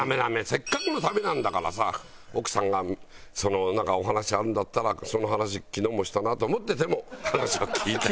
せっかくの旅なんだからさ奥さんがなんかお話あるんだったらその話昨日もしたなと思ってても話は聞いてあげる。